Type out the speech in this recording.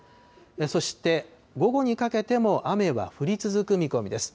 そして午後にかけても雨は降り続く見込みです。